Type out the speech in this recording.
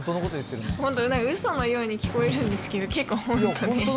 本当、うそのように聞こえるんですけど、結構本当に。